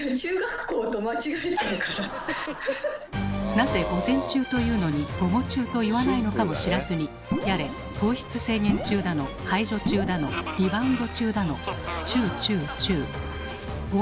なぜ「午前中」と言うのに「午後中」と言わないのかも知らずにやれ「糖質制限中」だの「解除中」だの「リバウンド中」だのチュウチュウチュウ。